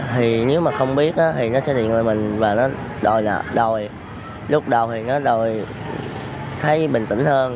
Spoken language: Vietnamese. thì nếu mà không biết thì nó sẽ điện lên mình và nó đòi lúc đầu thì nó đòi thấy bình tĩnh hơn